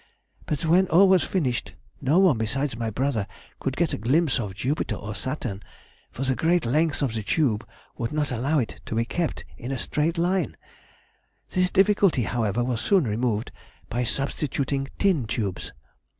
But when all was finished, no one besides my brother could get a glimpse of Jupiter or Saturn, for the great length of the tube would not allow it to be kept in a straight line. This difficulty, however, was soon removed by substituting tin tubes....